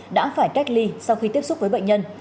đã phải cách ly sau khi tiếp xúc với bệnh nhân